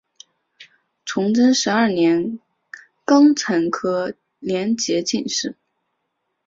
崇祯十二年庚辰科联捷进士。